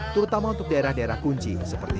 terutama untuk daerah daerah kunci